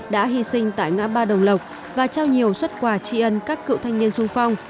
đã hy sinh tại ngã ba đồng lộc và trao nhiều xuất quà tri ân các cựu thanh niên sung phong